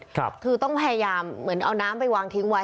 คือต้องพยายามเหมือนเอาน้ำไปวางทิ้งไว้